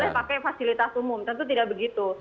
saya pakai fasilitas umum tentu tidak begitu